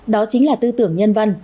đó chính là tư tưởng nhân văn